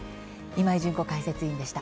今井純子解説委員でした。